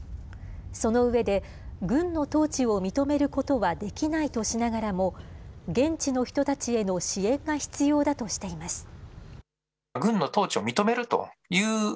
そのうえで、軍の統治を認めることはできないとしながらも、現地の人たちへの支援が必要だとしています。